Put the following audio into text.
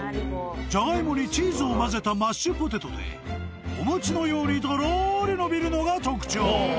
［ジャガイモにチーズを混ぜたマッシュポテトでお餅のようにとろりのびるのが特徴］